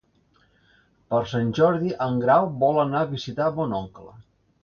Per Sant Jordi en Grau vol anar a visitar mon oncle.